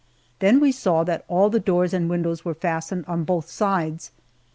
Then we saw that all the doors and windows were fastened on both sides.